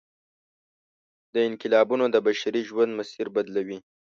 دا انقلابونه د بشري ژوند مسیر بدلوي.